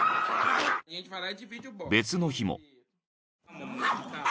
［別の日も］